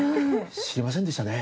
知りませんでしたね。